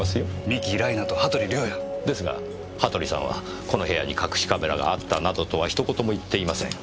三樹ライナと羽鳥亮矢！ですが羽鳥さんはこの部屋に隠しカメラがあったなどとは一言も言っていません。